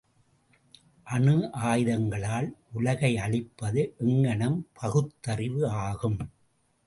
அணு ஆயுதங்களால் உலகை அழிப்பது எங்ஙணம் பகுத்தறிவு ஆகும்?